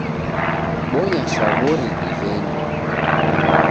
Bonya shwaw'ori dighende.